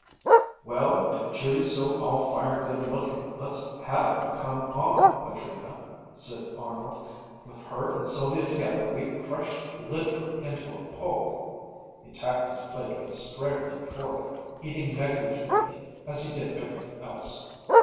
"Well, if Judy's so all fired good looking, let's have her come on, Madrina," said Arnold. "With her and Sylvia together, we'd crush Lydford into a pulp." He attacked his plate with a straggling fork, eating negligently, as he did everything else.